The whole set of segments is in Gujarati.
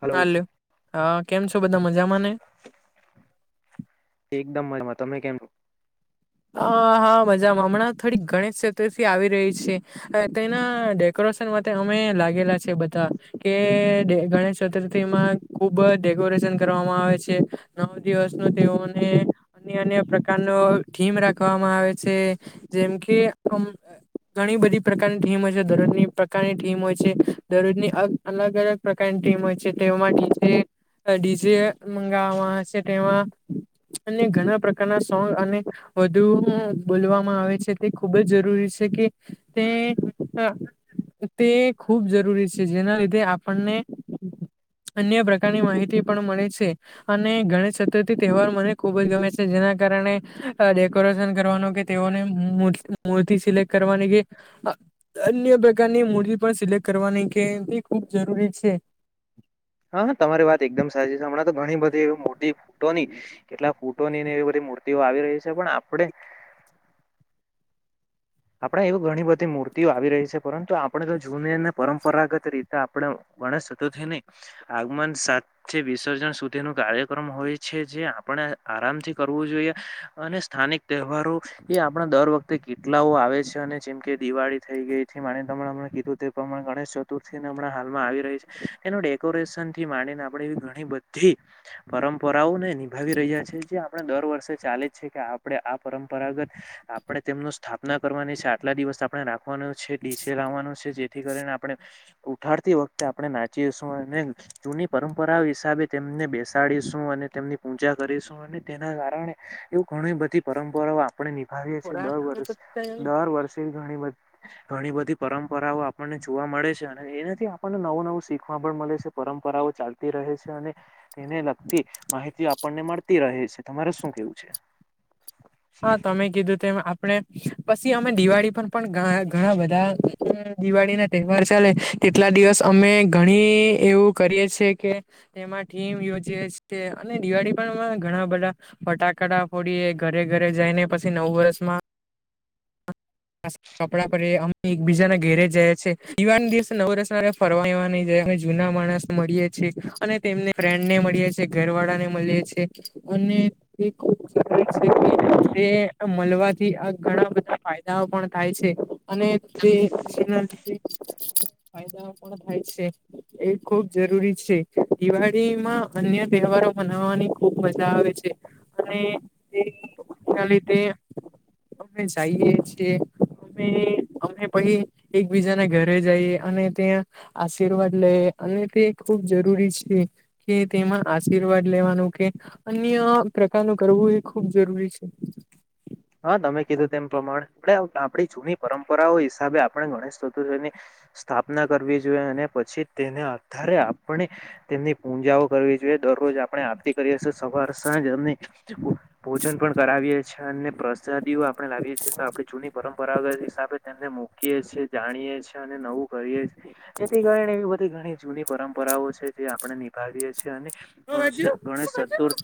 હલો ચ હા કેમ છો, બધા મજામાં ને? એકદમ મજામાં તમે કેમ? હા, મજામા હમણા થોડી, ગણેશ ચતુર્થી આવી રહી છે. તેના ડેકો અમે લાગેલા છે. બધા કે ગણેશ ચતુર્થી માં ખુબ દ કરવામાં આવે છે. નવ દિવસ ન તેઓને અન્ય અન્ય પ્રકારનો રાખવામાં આવે છે. જેમ કે ઘણી બધી પ્રકારની ટીમ હોય છે. દરરોજની પ્રકારની ટીમ હોય છે. દરરોજની અલગ-અલગ પ્રકારની ટીમ હોય છે. તેમાં ડીજે ડીજે મંગાવવા છે. તેમાં અને ઘણા પ્રકારના સોંગ અને વધુ બોલવામાં આવે છે. તે ખુબ જ જરૂરી છે. કે તે તે ખુબ જરૂરી છે. જેના લીધે આપણને અન્ય પ્રકારની માહિતી પણ મળે છે, અને ગણેશ ચતુર્થી તહેવાર મને ખુબ જ ગમે છે. જેના કારણે ડેકોરેશન કરવાનો કે તેઓને મૂર્તિ સિલેક્ટ કરવાની કે અન્ય પ્રકારની મૂર્તિ પણ સિલેક્ટ કરવાની કે ખૂબ જરૂરી છે. મૂર્તિ ફૂટોની કેટલાક ફૂટોનીને એવી બધી મૂર્તિઓ આવી રહી છે, પણ આપડે [unintelligible] [inaudible] આપણે એવી ઘણી બધી મૂર્તિઓ આવી રહી છે, પરંતુ આપણે તો જૂનીને પરંપરાગત રીતે આપણે ગણસતોથી નહી, આગમન સાથે વિસર્જન સુધી નું કાર્યક્રમ હોય છે, જે આપ આરામથી કરવુ જોઈએ, અને સ્થાનિક તહેવારો એ આપણા દર વખતે કેટ લાઓ આવે છે, અને જેમ કે દિવાળી થઈ ગઈ કીધું તે પ્રમાણે ગણેશ ચતુર્થી હમણા હાલ થીમાંને આપ એવી ઘણી બધી, પરંપરાઓને ભાવી રહ્યા છે, જે આપણે દર વર્ષે ચાલી જ છે, કે આપણે આ પરંપરાગત આપણે તેમનુ સ્થાપના કરવાની છે આટલા દિવસ આપણે રાખવાનો છે ડીસે લાવવાનો છે જેથી કરીને આપણે ઉઠાડ તી વખતે આપણે નાચીશુ, અને જૂની પરંપરા હિસાબે તેમને બેસાડીશું અને તેમની પૂજા કરીશુ અને તેના કારણે એવું ઘણી બધી પરંપરાઓ આપણે નિભાવીએ છીએ, દર વર્ષ દર વર્ષે ઘણી બધી ઘણી બધી પરંપરાઓ આપણને જોવા મળે છે, અને એનાથી આપણને નવું નવું શીખવા પણ મળે છે. પરંપરાઓ ચાલતી રહે છે, અને તેને લગતી માહિતી આપણને મળતી રહે છે, તમારે શુ કેવું છે. હા, તમે કીધું તેમ આપણે પછી, અમે દિવાળી પર પણ ઘણા બધા દિવાળી ના તહેવાર ચાલે તેટલા દિવસ અમે ઘણી એવું કરીએ છીએ, કે એમાં થીમ યોજી છે, અને દિવાળી પણ ઘણા બધા ફટાકડા ફોડીએ ઘરે ઘરે જઈને, પછી નવ વર્ષમા કપડા પર અમે એકબીજાના ઘેરે જાય છે, ઈવા દિવસે નવ રસના ફરવાવા નહી, જાય. જૂના માણસ મળીએ છીએ, અને તેમને ફ્રેન્ડને મળીએ છીએ, ઘર વાળા ને મળીએ છીએ મળવાથી, આ ઘણા બધા ફાયદ નવ પણ થાય છે, અને તેના ફાયદા થાય છે, એ ખુબ જરૂરી છે, દિવાળીમાં અન્ય તહેવારો મનાવાની ખૂબ મજા આવે છે, અને એના લીધે અમે જઈએ છીએ. અમે પછી એકબીજા ના ઘરે જઈ અને ત્યાં આશીર્વાદ લે અને તે ખૂબ જરૂરી છે, કે તેમાં આશીર્વાદ લેવાનું કે અન્ય ટકા નું કરવું એ ખુબ જરૂરી છે. હા, તમે કીધું તેમ પ્રમાણે, આપ આપણી જૂની પરંપરાઓ હિસાબે, આપણે ગણેશ ચતુર્થીની સ્થાપના કરવી જોઈએ અને પછી તેના આધારે આપણે તેમની પૂજાઓ કરવી જોઈએ. દરરોજ આપણે આરતી કરીએ, સવાર સાંજ અને ભોજન પણ કરાવીએ છીએ અને પ્રસાદીઓ આપણે લાવીએ છીએ તો આપણે જૂની પરંપરાગત હિસાબે તેમને મૂકીએ છીએ, જાણીએ છીએ, અને નવું કરીએ છે, જેથી કારણે એવી બધી ઘણી જૂની પરંપરાઓ છે, જે આપણે નિભાવીએ છીએ, અને ગણેશ ચતુર્,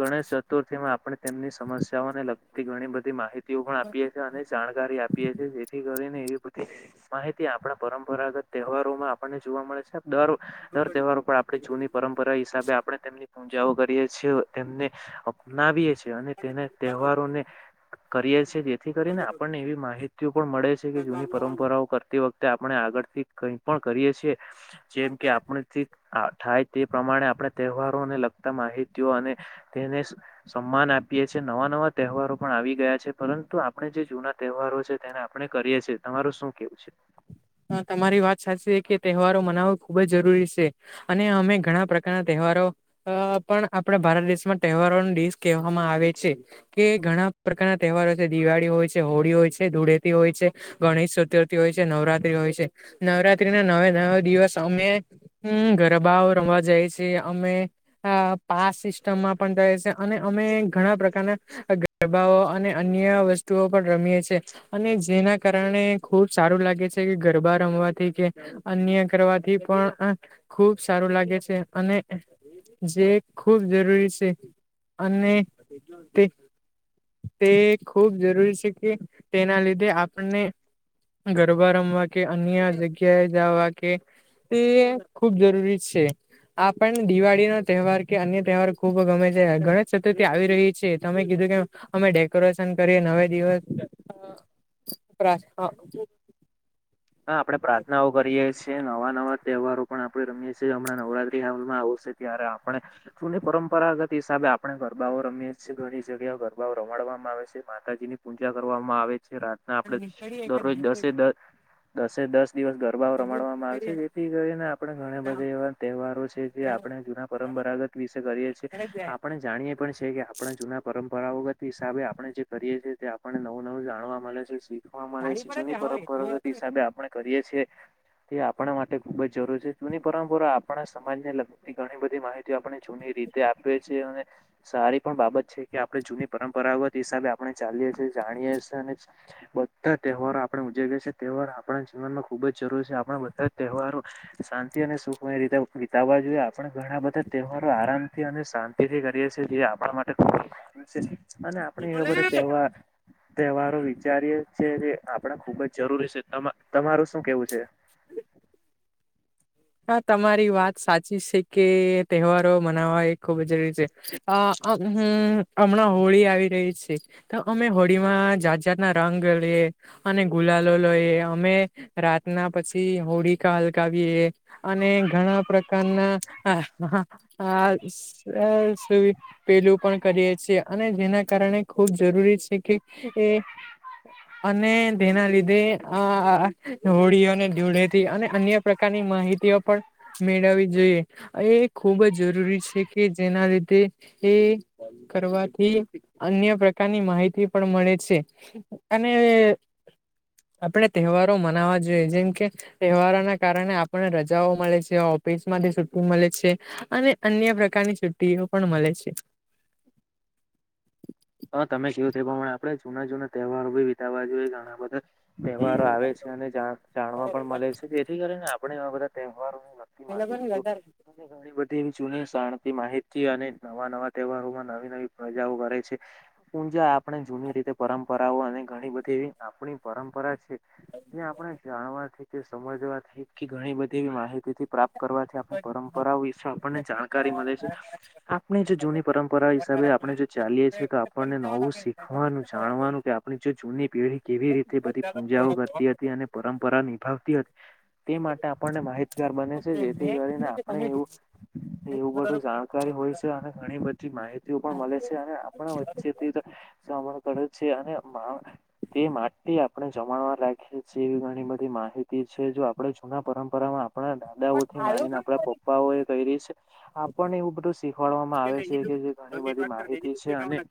ગણેશ ચતુર્થી માં આપણે તેમની સમસ્યાઓને લગતું. થી ઘણી બધી માહિતીઓ પણ આપીએ છીએ, અને જાણકારી આપીએ છીએ, જેથી કરીને એવી બધી માહિતી આપણા પરંપરાગત તહેવારો માં આપણને જોવા મળે છે. દર, દર તહેવારો પર આપણે જૂની પરંપરા હિસાબે, આપણે તેમની પૂજાઓ કરીએ છીએ, તેમને અપનાવીએ છીએ અને તેના તહેવારોને કરીએ છીએ જેથી કરીને આપણને એવી માહિતીઓ પણ મળે છે, કે જૂની પરંપરાઓ કરતી વખતે આપણે આગળથી કઈ પણ કરીએ છીએ, જેમ કે આપણે થાય તે પ્રમાણે આપણે તહેવારોને લગતા માહિતીઓ અને તેને સન્માન આપીએ છીએ, નવા નવા તહેવારો પણ આવી ગયા છે, પરંતુ આપણે જે જૂના તહેવારો છે, તેને આપણે કરીએ છે. તમારું શું કેવું છે? હા, તમારી વાત સાચી કે તહેવારો મનાવો ખુબજ જરૂરી છે, અને અમે ઘણા પ્રકારના તહેવાર તહેવારો અહ પણ આપડા ભારત દેશમાં તહેવારોનો ડીશ કહેવામાં આવે છે, કે ઘણા પ્રકારના તહેવારો છે, દિવાળી હોય છે, હોળી હોય છે, ધૂળેથી હોય છે, ગણેશ ચતુર્થી હોય છે, નવરાત્રી હોય છે, નવરાત્રી ના નવા નવ દિવસ, અમે હમ્મ ગરબાઓ રમવા જાય છે, અમે પાસ સિસ્ટમમાં પણ થાય છે અને અમે ઘણા પ્રકારના ગરબાઓ અને અન્ય વસ્તુઓ પણ રમીએ છીએ અને જેના કારણે ખુબ સારું લાગે છે. ગરબા રમવાથી કે અન્ય કરવાથી પણ આ ખુબ સારું લાગે છે અને જે ખૂબ જરૂરી છે અને તે તે ખૂબ જરૂરી છે કે તેના લીધે આપણને ગર બા રમવા કે અન્ય જગ્યાએ જાવા કે તે ખુબ જરૂરી છે. આ પણ દિવાળી નો તહેવાર કે અન્ય તહેવાર ખુબ ગમે છે. ગણેશ ચતુર્થી આવી રહી છે, તમે કીધું તેમ અમે ડેકોરેશન કરીએ નવે દિવસ [unintelligible] હા, આપડે પ્રાર્થનાઓ કરીએ છે, નવા નવા તહેવારો પણ આપડે રમીએ છીએ. હમણાં નવરાત્રી હાલમાં આવશે ત્યારે આપણે જૂની પરંપરાગતી હિસાબે આપણે ગરબાઓ રમીએ છે. ઘણી જગ્યાએ ગરબાઓ રમાડવામાં આવે છે, માતાજી ની પૂજા કરવામાં આવે છે. રાતના આપડે નીકળીએ એકાદ દરરોજ દિવસે દસે એ દ, દસ એ દસ દિવસ ગરબા હા રમાડવામાં આવે છે, જેથી કરીને આપણે ઘણા બધા એવા તહેવારો છે, જે આપણે જૂના પરમ પરાગત વિશે કરીએ છે. આપણે જાણીએ પણ કે આપણે જૂના પરમ પરાવગત હિસાબે આપણે જે કરીએ છીએ તે આપણને નવું નવું જાણવા મળે છે શીખવા મળે છે. જૂની પરંપરાગત હિસાબે આપણે કરીએ છે. તે આપણા માટે ખુબ જ જરૂરી છે. જૂની પરંપરા આપણા સમાજને લગતી ઘણી બધી માહિતી, આપણે જૂની રીતે આપે છે અને સારી પણ બાબત છે કે આપણે જૂની પરંપરાગત હિસાબે આપણે ચાલીએ છે. જાણીએ છે અને બધા તહેવારો આપણે ઉજવીએ છે. તહેવાર આપણા જીવનમાં ખુબ જરૂરી છે આપણા બધા તહેવારો શાંતિ અને સુખમય રીતે વિતાવ વિતાવા જોઈએ. આપણે ઘણા બધા તહેવારો આરામ થી અને શાંતિ થી કરીએ છે જે આપડા માટે ખુબજ સારું છે. અને આપણે એવા બધા તહેવાર, તહેવારો વિચારીએ છે જે આપડા ખુબજ જરૂરી છે. તમા-તમારું શું કેવું છે? હા, તમારી વાત સાચી છે કે તહેવારો મનાવવા એ ખૂબ જ જરૂરી છે. અહ આ હમ્મ હમણાં હોળી આવી રહી છે, તો અમે હોળી માં જાત જાત ના રંગ લે યે અને ગુલાલો લઈએ અમે રાતના પછી હોળીકા હલકાવીએ અને ઘણા પ્રકારના [unintelligible] સુવી પેલું પણ કરીએ છીએ અને જેના કારણે ખૂબ જરૂરી છે, કે એ અને તેના લીધે આ હોળીઓને ધુળેટી અને અન્ય પ્રકારની માહિ તીઓ પણ મેળવવી જોઈએ એ ખૂબ જ જરૂરી છે, કે જેના લીધે એ એ કરવાથી અન્ય પ્રકારની માહિતી પણ મળે છે, અને આપણે તહેવારો મનાવા જોઈએ જેમ કે તહેવારોના કારણે આપણે ર જાઓ મળે છે, ઓફિસ માંથી છુટી મલે છે, અને અન્ય પ્રકારની છુટીઓ પણ મળે છે. હા તમે જોયું તે પ્રમાણે આપડે જૂના જૂના તહેવારો ભી વિતાવવા જોઈએ ઘણા બધા તહેવારો આવે છે, અને જાણ જાણવા પણ મલે છે, જેથી કરીને આપણે આવા બધા તે હેવારો ની લગતી માહિતીઓ અને ઘણી બધી એવી [unintelligible] માહિતીઓ અને નવા નવા તહેવારોમાં નવી નવી પ્રજાઓ કરે છે. પૂજા આપણે જૂની રીતે પરંપરાઓ અને ઘણી બધી એવી આપણી પરંપરા છે. એ આપણે જાણવાથી કે સમજવાથી કે ઘણી બધી એવી માહિતીથી પ્રાપ્ત કરવાથી આપણી પરંપરાઓ વિશે મેં કીધું આપણને જાણ કારી મલે છે, કે આપણે જે તમે જૂની પરંપરા હિસાબે આપણે જે ચાલીએ છે. આપણને નવું શીખવાનું, જાણવાનું, કે આપણી જો જૂની પેઢી કેવી રીત તે બધી પૂજાઓ કરતી હતી અને પરંપરા નિભાવતી હતી તે માટે આપણને માહિતગાર બને છે, જેથી કરીને આપણે કીધું. એવું એવું બધું જાણકારી હોય છે, અને ઘણી બધી માહિતીઓ પણ મળે છે, અને આ પણા વચ્ચે તેજ [unintelligible] કરે છે, અને તે માટે આપણે જમાણવા લાયક જેવી ઘણી બધી માહિતી છે, જો આપડે જૂના પરંપરામાં આપણા પણ દાદાઓથી આ માનીને લોકોએ આપણા કોને પપ્પાઓ એ કીધું? કઈરી છે, આપણને એવું બધું શીખવાડવામાં દસ આવે છે, કે ઘણી મિનિટ બધી વાત કરી દે એની માહિતી જ છે ઉપયોગ અને આવવાના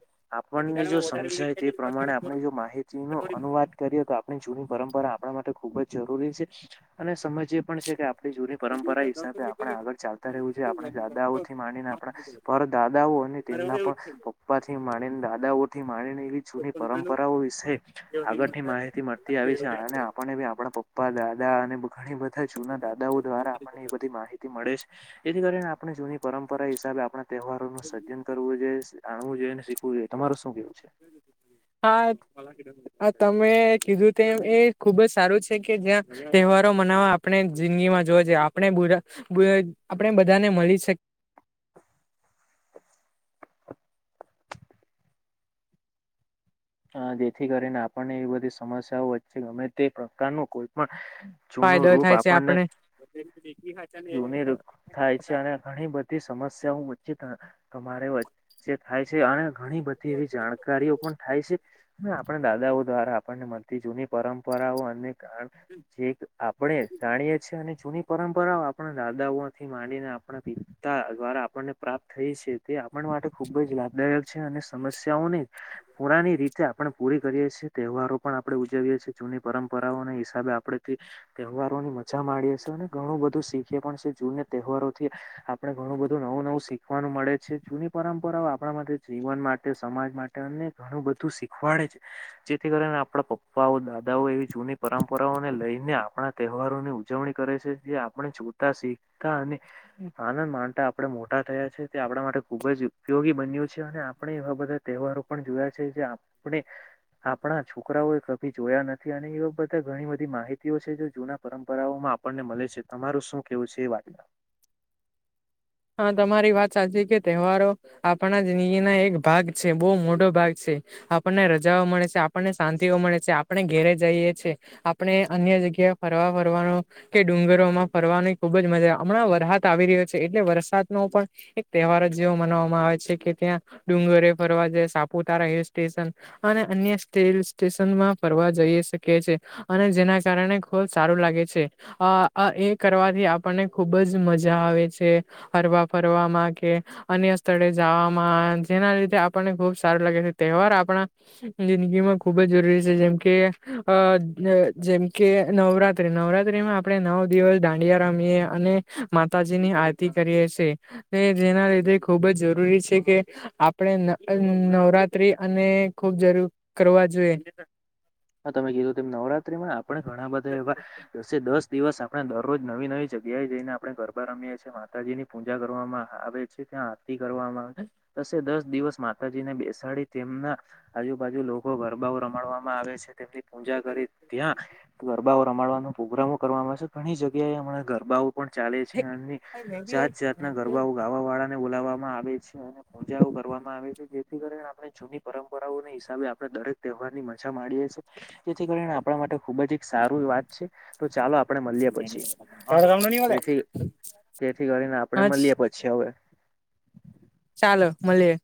પછી આપણને જો દાડામાં વધારે મિનિટ સમજાય થઈ તે જાય તો પાછું પ્રમાણે મને આપણે જો ચોરવાનું. તો માહિતીનો થોડી અનુવાદ કરીએ તો આપણે જો જુની પરંપરા આપણા માટે ખુબ જ જરૂરી છે, અને સમજીએ પણ છે, કે આપણી જૂની પરંપરા હિસાબે આપણે આગળ ચાલતા રેહવુ છે, આપણે દાદાઓથી માડીને આપણા પર દાદાઓ આપણને તેમના પણ પપ્પાથી માણીને દાદાઓથી માણીને એવી જૂની પરંપરાઓ વિશે આગળની માહિતી મળતી આવી છે, અને આપણને બી આપણા પપ્પા દાદા અને ઘણી જૂના દાદાઓ દ્વારા આપણને એ બધી માહિતી મળે છે, જેથી કરીને આપણે જૂની પરંપરા હિસાબે આપણા તહેવાર નુ સજન કરવું જોઈએ આણવુ જોઈએ અને શીખવું જોઈએ તમારું શું કેવું છે હા અ ત મે કીધું તેમ એ ખુબ જ સારું છે, કે જ્યાં તહેવારો મનાવવા આપણે જિંદગીમાં જોવા જા યે આપણે બુડા આપણે બધાને મલી શક હ જેથી કરીને આપણને એવી બધી સમસ્યાઓ વચ્ચે ગમે તે પ્રકારનું કોઈ પણ જુનું ફાયદો રૂપ થાય છે આપણને આપણે જૂની રુ થાય છે, અને ઘણી બધી સમસ્યાઓ તમારે વચ્ચે થાય છે, અને ઘણી બધી એવી જાણકારીઓ પણ થાય છે, આપણે દાદાઓ દ્વારા આપણને મળતી જૂની પરંપરાઓ અને કાર જે આપણે જાણીએ છીએ અને જૂની પરંપરા આપણા દાદાઓથી માંડીને આપણા પિતા દ્વારા આપણને પ્રાપ્ત થઈ છે, તે આપણ માટે ખૂબ જ લાભદાયક છે, અને સમસ્યાઓને પુરાની રીતે છે આપણે પૂરી કરીએ છે, તહેવારો પણ આપણે ઉજવીએ છે, જૂની પરંપરાઓ હિસાબે આપણેેથી તહેવારોની મજા મામાંડીએ છે, અને ઘણું બધું શીખીએ પણ છે, જૂને તહેવારોથી આપણે ઘણું બધું નવું નવું શીખવાનું મળે છે, જૂની પરંપરાઓ આપણા માટે જીવન માટે સમાજ માટે અને ઘણું બધું શીખ વાડે છે, જેથી કરીને આપણા પપ્પાઓ દાદાઓ એવી જૂની પરંપરાઓને લઈને આપણા તહેવારોની ઉજવણી કરે છે જે આપણે જોતા શીખતા અને આનંદ માનતા આપણે મોટા થયા છે તે આપણા માટે ખુબ જ ઉપયોગી બન્યું છે. અને આપણે એવા બધા તહેવારો પણ જોયા છે જે આપણે. આપણા છોકરાઓ એ કભી જોયા નથી અને એવા બધા ઘણી બધી માહિતી છે જો જૂના પરંપરાઓમાં આપણને મળે છે તમારું શું કેવું છે એ [inaudible] તમારી વાત સાચી કે તહેવારો આપણા જિંદગી ના એક ભાગ છે બહુ મોટો ભાગ છે. આપણને રજાઓ મળે છે આપણને શાંતિઓ મળે છે આપણે ઘેરે જઈએ છ છેીએ આપણે અન્ય જગ્યા ફરવા ફરવાનો કે ડુંગરો માં ફરવાનો ખૂબ જ મજા હમણા વરસાદ આવી રહ્યો છે એટલે વરસાદ નો પણ એક તહેવાર જેવો મનાવામાં આવે છે કે ત્યાં ડુંગરે ફરવા જે સાપુતારા એ હિલ્સ સ્ટેશન અને અન્ય હિલ્સ સ્ટેશનમાં ફરવા જઈ શકે છે. અને જેના કારણે ખુબ સારું લાગે છે અ એ કરવાથી આપણને ખુબ જ મજા આવે છે. હરવા ફરવામાં કે અન્ય સ્થળે જવામાં જેના લીધે આપણને ખુબ સારું લાગે છે તહેવાર આપણા જિંદગીમાં ખુબ જ જરૂરી છે જેમ કે અ જેમ કે નવરાત્રી નવરાત્રીમાં આપણે નવ દિવસ દાંડયા રમીએ અને માતાજીની આ આરતી કરીએ જેના લીધે ખૂબ જ જરૂરી છે કે આપણે નવરાત્રી અને ખુબ જરૂર કરવા જોઈએ. હા તમે કીધું ત નવરાત્રીમાં આપણે ઘણા બધા એવા દસે દસ દિવસ આપણે દરરોજ નવી નવી જગ્યાએ જઈને આપણે ગરબા રમીએ છીએ માતાજી ની પૂજા કરવામાં આવે છે. ત્યા આરતી કરવામાં આવે દસે દસ દિવસ માતાજી ને બેસાડી તેમના આજુબાજુ લોકો ગરબાઓ રમાડવામાં આવે છે તેમની પૂજા કરી ત્યાં ગરબાઓ રમાડવાનો પ્રોગ્રામો કર આવે છે ઘણી જગ્યાએ એ હમણા ગરબાઓ પણ ચાલે છે અને જાત જાતના ગરબાઓ ગાવા વાળાને બોલાવવા આવે છે અને પૂજાઓ કરવામાં આવે છે જેથી કરીને આપણે જૂની પરંપરાઓના હિસાબે આપણે દરેક તહેવાર મજા માણીએ જેથી કરી આપણા માટે ખુબ જ સાર વાત છે તો ચાલો આપણે મળએ પછી તેથી તેથી કરીને આપણે હા મળએ પછી હવે. ચાલો મલિએ.